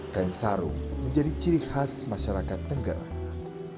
kain sarung menjadi ciri khas masyarakat tenggara